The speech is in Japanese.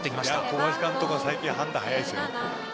小林監督は最近、判断早いですよ。